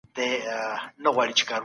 په ټولنه کي باید عدالت وي.